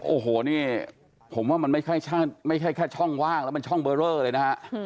โอ้โหนี่ผมว่ามันไม่ใช่แค่ช่องว่างแล้วมันช่องเบอร์เรอเลยนะฮะ